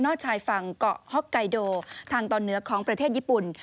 ชายฝั่งเกาะฮ็อกไกโดทางตอนเหนือของประเทศญี่ปุ่น